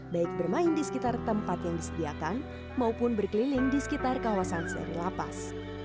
baik bermain di sekitar tempat yang disediakan maupun berkeliling di sekitar kawasan seri lapas